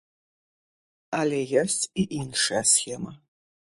Але ёсць і іншая схема.